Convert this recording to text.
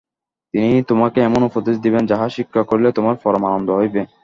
তিনি তোমাকে এমন উপদেশ দিবেন, যাহা শিক্ষা করিলে তোমার পরম আনন্দ হইবে।